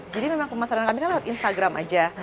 jadi memang pemasaran kami kan lewat instagram aja